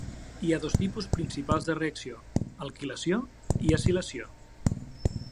Hi ha dos tipus principals de reacció: alquilació i acilació.